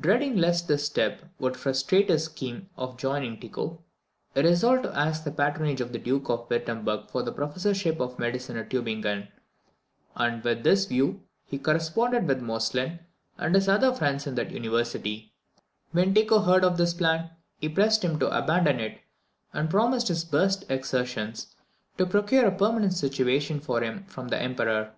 Dreading lest this step would frustrate his scheme of joining Tycho, he resolved to ask the patronage of the Duke of Wirtemberg for the professorship of medicine at Tubingen; and with this view he corresponded with Moestlin and his other friends in that University. When Tycho heard of this plan, he pressed him to abandon it, and promised his best exertions to procure a permanent situation for him from the Emperor.